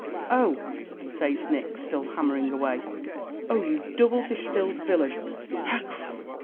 "Oh!" says Nick, still hammering away "Oh! you double distilled villain (hech!)